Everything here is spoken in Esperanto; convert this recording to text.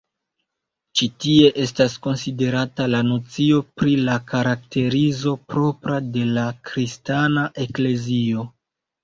Ĉi tie estas konsiderata la nocio pri la karakterizo propra de la Kristana Eklezio.